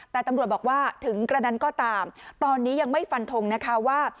แต่ตำรวจบอกว่าถึงกระนั้นก็ตามตอนนี้ยังไม่ฟันทงนะคะว่า